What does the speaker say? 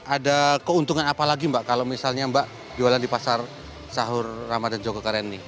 ada keuntungan apa lagi mbak kalau misalnya mbak jualan di pasar sahur ramadhan joko karen ini